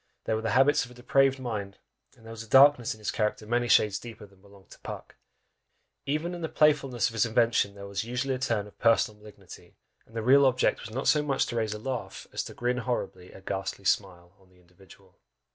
They were the habits of a depraved mind, and there was a darkness in his character many shades deeper than belonged to Puck; even in the playfulness of his invention there was usually a turn of personal malignity, and the real object was not so much to raise a laugh, as to "grin horribly a ghastly smile," on the individual.